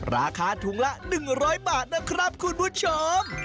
ราคาถุงละ๑๐๐บาทนะครับคุณผู้ชม